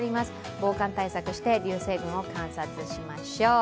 防寒対策して、流星群を観察しましょう。